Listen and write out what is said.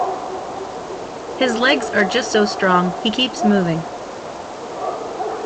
His legs are just so strong he keeps moving.